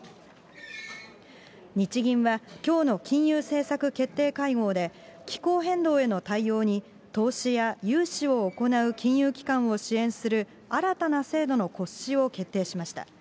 日銀は、きょうの金融政策決定会合で、気候変動への対応に投資や融資を行う金融機関を支援する、新たな制度の骨子を決定しました。